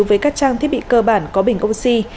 với các trang thiết bị cơ bản có bình oxy